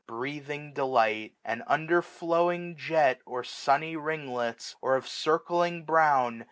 Breathing delight ; and, under flowing jet. Or sunny ringlets, or of circling brown.